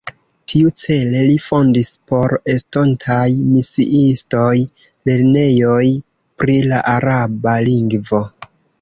Tiucele li fondis por estontaj misiistoj lernejojn pri la araba lingvo.